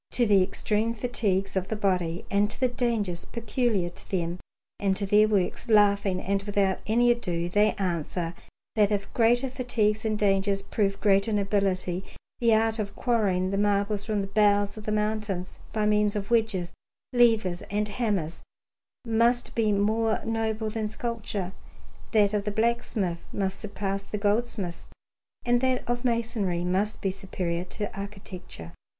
To the extreme fatigues of the body and to the dangers peculiar to them and to their works, laughing and without any ado they answer that if greater fatigues and dangers prove greater nobility, the art of quarrying the marbles from the bowels of mountains by means of wedges, levers, and hammers must be more noble than sculpture, that of the blacksmith must surpass the goldsmith's, and that of masonry must be superior to architecture.